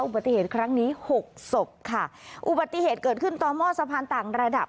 อุบัติเหตุครั้งนี้หกศพค่ะอุบัติเหตุเกิดขึ้นต่อหม้อสะพานต่างระดับ